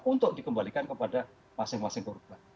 untuk dikembalikan kepada masing masing korban